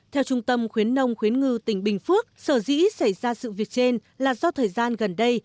theo trung tâm khuyến nông khuyến ngư tỉnh bình phước sở dĩ xảy ra sự việc trên là do thời gian gần đây